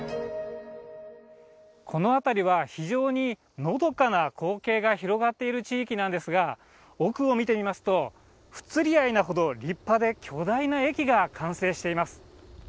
この辺りは非常にのどかな光景が広がっている地域なんですが、奥を見てみますと、不釣り合いなほど立派で巨大な駅が完成しています。